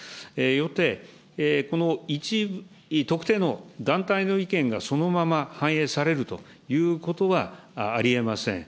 よって、この特定の団体の意見がそのまま反映されるということはありえません。